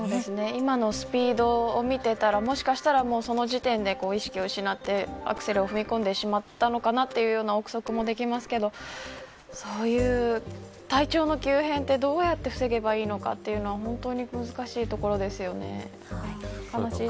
今のスピードを見ていたらもしかしたらその時点で意識を失ってアクセルを踏み込んでしまったのかなという臆測もできますがそういう体調の急変はどうやって防げばいいのかというのは本当に難しいところですよね。